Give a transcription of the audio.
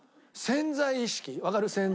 潜在意識。